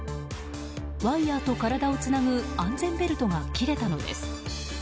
ワイヤと体をつなぐ安全ベルトが切れたのです。